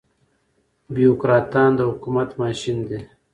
بيوکراتان د حکومت ماشين دي.